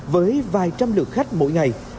với vài trăm lượt khách mỗi ngày